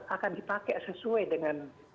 akan dipakai sesuai dengan